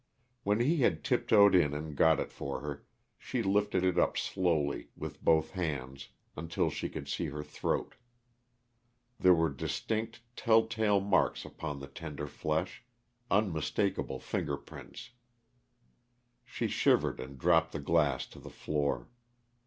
When he had tiptoed in and got it for her, she lifted it up slowly, with both hands, until she could see her throat. There were distinct, telltale marks upon the tender flesh unmistakable finger prints. She shivered and dropped the glass to the floor.